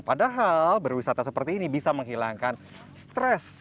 padahal berwisata seperti ini bisa menghilangkan stres